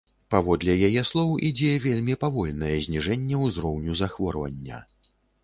Паводле яе слоў, ідзе вельмі павольнае зніжэнне ўзроўню захворвання.